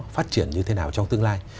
phát triển như thế nào trong tương lai